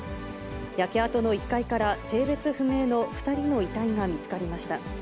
焼け跡の１階から性別不明の２人の遺体が見つかりました。